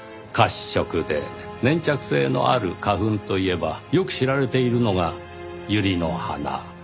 褐色で粘着性のある花粉といえばよく知られているのがユリの花。